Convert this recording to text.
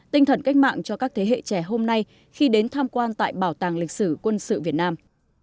tinh thần cách mạng cho các thế hệ trẻ hôm nay khi đến tham quan tại bảo tàng lịch sử quân sự việt nam